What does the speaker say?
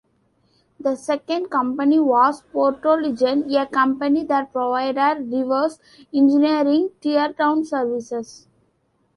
The second company was Portelligent, a company that provided reverse engineering tear down services.